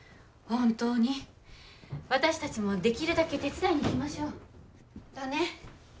本当に私達もできるだけ手伝いにいきましょうだね